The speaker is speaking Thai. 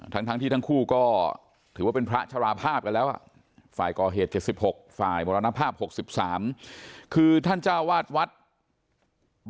บอกว่าก็ไม่คิดว่าแค่ไม่อยู่ที่วัดก็จะเกิดเหตุพระลูกวัดแพงกันจนมรณภาพแบบนี้